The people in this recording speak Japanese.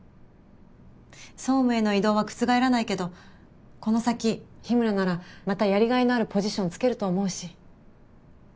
総務への異動は覆らないけどこの先日村ならまたやりがいのあるポジション就けると思うし。